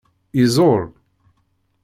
Yeẓẓul.